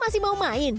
masih mau main